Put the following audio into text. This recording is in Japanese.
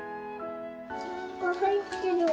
なんか入ってる。